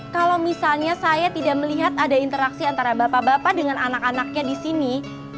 kalau misalnya saya tidak melihat ada interaksi antara bapak bapak dengan anak anaknya di sini